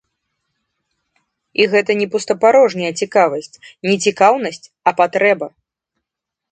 І гэта не пустапарожняя цікавасць, не цікаўнасць, а патрэба.